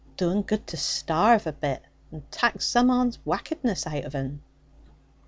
Do 'un good to starve a bit; and takk zome on's wackedness out ov un.'